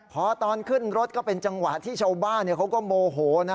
พอตอนขึ้นรถก็เป็นจังหวะที่ชาวบ้านเขาก็โมโหนะ